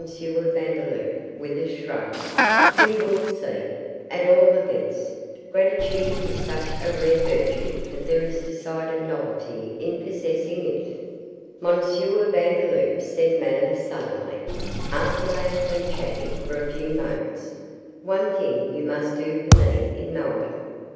Vandeloup, with a shrug, 'we will see at all events, gratitude is such a rare virtue that there is decided novelty in possessing it.' 'M. Vandeloup,' said Madame, suddenly, after they had been chatting for a few moments, 'one thing you must do for me in Melbourne.